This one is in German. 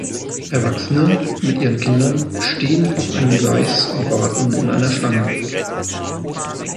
Erwachsene mit ihren Kindern stehen auf einem Gleis und warten in einer Schlange